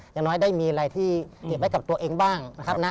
อย่างน้อยได้มีอะไรที่เก็บไว้กับตัวเองบ้างนะครับนะ